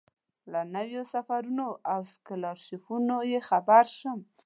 له نویو سفرونو او سکالرشیپونو یې خبر شم.